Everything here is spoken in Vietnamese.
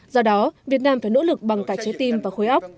do đó việt nam phải nỗ lực bằng cả trái tim và khối ốc